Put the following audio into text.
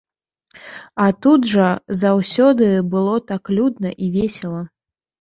А тут жа заўсёды было так людна і весела.